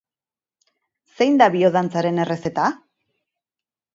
Zein da biodantzaren errezeta?